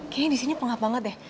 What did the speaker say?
kayaknya disini pengah banget ya